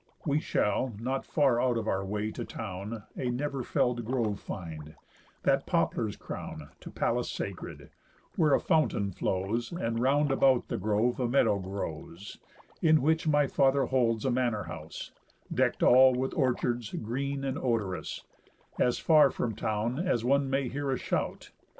We shall, not far out of our way to town, A never fell'd grove find, that poplars crown, To Pallas sacred, where a fountain flows, And round about the grove a meadow grows, In which my father holds a manor house, Deck'd all with orchards, green, and odorous, As far from town as one may hear a shout.